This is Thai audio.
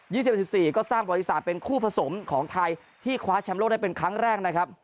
สิบเอ็ดสี่ก็สร้างบริษัทเป็นคู่ผสมของไทยที่คว้าแชมป์โลกได้เป็นครั้งแรกนะครับ